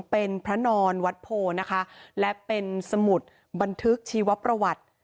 เป็นพระนอนวัดโพนะคะและเป็นสมุดบันทึกชีวประวัติ